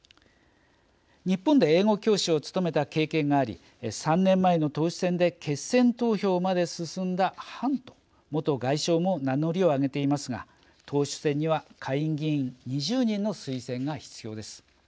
日本で英語教師を務めた経験があり３年前の党首選で決選投票まで進んだハント元外相も名乗りを上げていますが党首選には下院議員２０人の推薦が必要です。